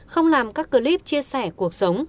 không làm các clip chia sẻ cuộc sống